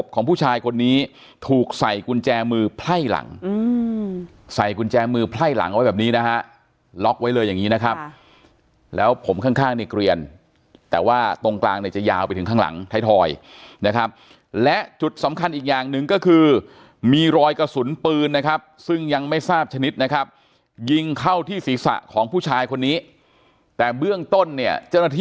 ของผู้ชายคนนี้ถูกใส่กุญแจมือไพ่หลังใส่กุญแจมือไพ่หลังเอาไว้แบบนี้นะฮะล็อกไว้เลยอย่างนี้นะครับแล้วผมข้างในเกลียนแต่ว่าตรงกลางเนี่ยจะยาวไปถึงข้างหลังไทยทอยนะครับและจุดสำคัญอีกอย่างหนึ่งก็คือมีรอยกระสุนปืนนะครับซึ่งยังไม่ทราบชนิดนะครับยิงเข้าที่ศีรษะของผู้ชายคนนี้แต่เบื้องต้นเนี่ยเจ้าหน้าที่